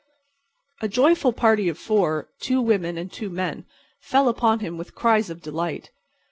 A joyful party of four—two women and two men—fell upon him with cries of delight.